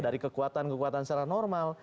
dari kekuatan kekuatan secara normal